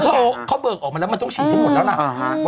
เขาเบิกออกมาแล้วมันต้องฉีดให้หมดแล้วล่ะ